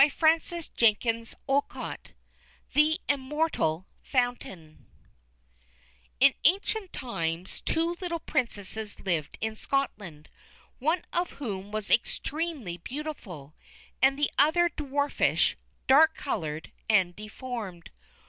Hans Christian Andersen THE IMMORTAL FOUNTAIN In ancient times two little Princesses lived in Scotland, one of whom was extremely beautiful, and the other dwarfish, dark coloured, and deformed.